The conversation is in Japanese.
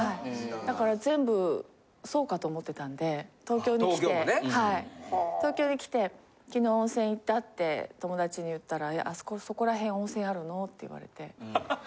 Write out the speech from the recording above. だから全部そうかと思ってたんで東京に来て東京に来て昨日温泉行ったって友達に言ったらあそこそこら辺温泉あるのって言われて。